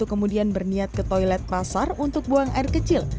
kemudian berniat ke toilet pasar untuk buang air kecil